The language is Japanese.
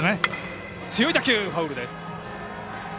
強い打球、ファウル。